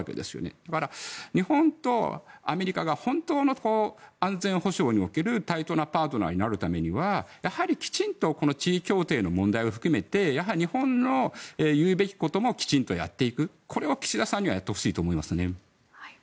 だから、日本とアメリカが本当の安全保障における対等なパートナーになるためにはきちんと地位協定の問題を含めてやはり日本の言うべきことをちゃんとやっていくこれを岸田さんにはやってほしいと思いますね。